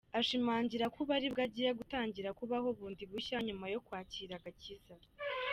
Ashimangira ko ubu aribwo agiye gutangira kubaho bundi bushya nyuma yo kwakira agakiza.